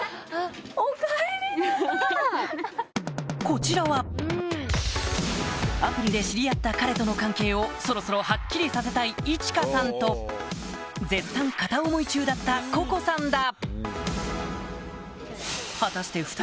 こちらはアプリで知り合った彼との関係をそろそろハッキリさせたいいちかさんと絶賛片思い中だったここさんだ